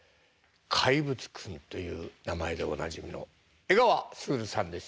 「怪物くん」という名前でおなじみの江川卓さんです。